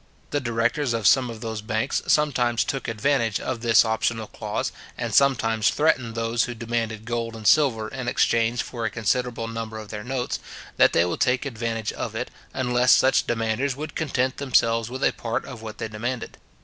The directors of some of those banks sometimes took advantage of this optional clause, and sometimes threatened those who demanded gold and silver in exchange for a considerable number of their notes, that they would take advantage of it, unless such demanders would content themselves with a part of what they demanded.